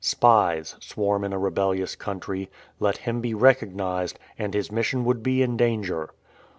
Spies swarm in a rebellious country; let him be recognized, and his mission would be in danger.